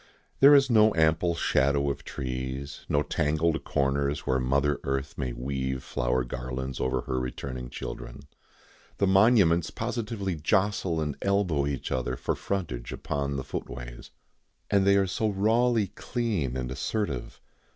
There is no ample shadow of trees, no tangled corners where mother earth may weave flower garlands over her returning children. The monuments positively jostle and elbow each other for frontage upon the footways. And they are so rawly clean and assertive.